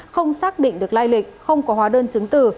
không xác định được lai lịch không có hóa đơn chứng tử